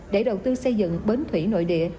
để đầu tư xây dựng bến thủy nội địa